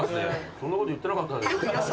そんなこと言ってなかった。